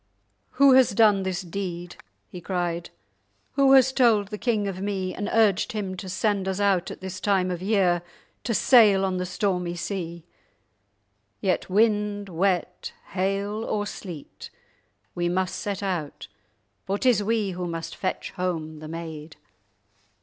"Who has done this deed?" he cried; "who has told the king of me and urged him to send us out at this time of the year to sail on the stormy sea? Yet, wind, wet, hail, or sleet, we must set out, for 'tis we who must fetch home the maid."